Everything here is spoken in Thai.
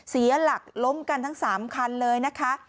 เสียหลักล้มกันทั้ง๓คันเลยนะคะ